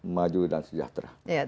maju dan sejahtera